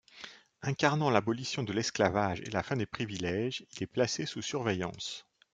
Incarnant l'abolition de l'esclavage et la fin des privilèges, il est placé sous surveillance.